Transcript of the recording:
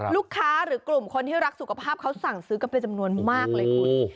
ลูกค้าหรือกลุ่มคนที่รักสุขภาพเขาสั่งซื้อกันเป็นจำนวนมากเลยคุณ